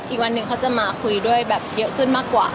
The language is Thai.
อีกวันหนึ่งเขาจะมาคุยด้วยแบบเยอะขึ้นมากกว่า